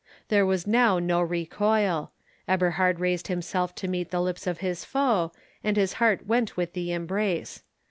There was now no recoil; Eberhard raised himself to meet the lips of his foe, and his heart went with the embrace.